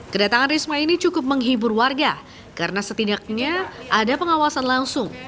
kedatangan risma ini cukup menghibur warga karena setidaknya ada pengawasan langsung